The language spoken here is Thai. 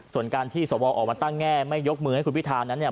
ส่วนการที่สวออกมาตั้งแง่ไม่ยกมือให้คุณพิธานั้นเนี่ย